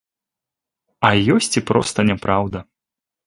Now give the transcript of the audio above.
А ёсць і проста няпраўда.